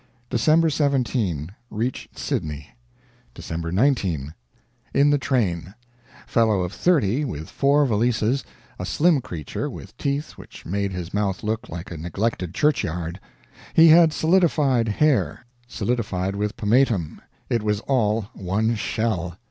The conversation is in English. December, 17. Reached Sydney. December, 19. In the train. Fellow of 30 with four valises; a slim creature, with teeth which made his mouth look like a neglected churchyard. He had solidified hair solidified with pomatum; it was all one shell.